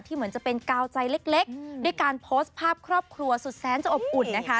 เหมือนจะเป็นกาวใจเล็กด้วยการโพสต์ภาพครอบครัวสุดแสนจะอบอุ่นนะคะ